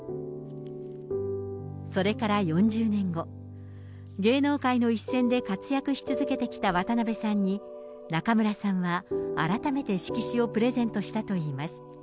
それから４０年後、芸能界の一線で活躍し続けてきた渡辺さんに、中村さんは改めて色紙をプレゼントしたといいます。